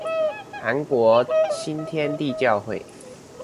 韓國新天地教會